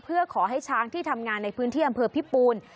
เพื่อขอให้ช้างที่ทำงานในพื้นที่อำเภอพิปูน